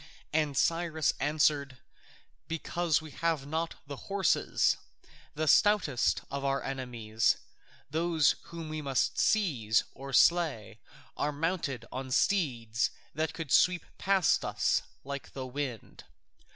And Cyrus answered, "Because we have not the horses. The stoutest of our enemies, those whom we must seize or slay, are mounted on steeds that could sweep past us like the wind.